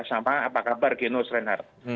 sama apa kabar genus reinhardt